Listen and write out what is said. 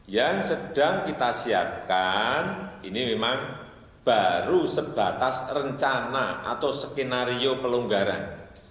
yang sedang kita siapkan ini memang baru sebatas rencana atau skenario pelonggaran